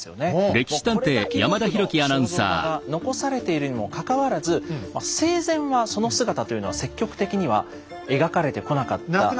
もうこれだけ多くの肖像画が残されているにもかかわらず生前はその姿というのは積極的には描かれてこなかったようで。